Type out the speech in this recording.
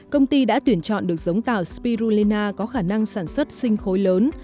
công ty đã tuyển chọn được giống tàu spirulina có khả năng sản xuất sinh khối lớn